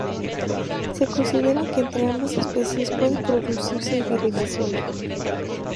Se considera que entre ambas especies puede producirse hibridación.